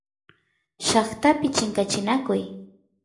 llaqtapi chinkachinakuy